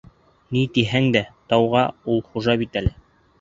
Ни тиһәң дә, тауға ул хужа бит әле.